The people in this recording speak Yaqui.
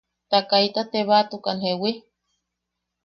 –Ta kaita tebaatukan ¿jeewi?